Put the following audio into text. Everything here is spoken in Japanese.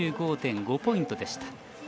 ９５．５ポイントでした。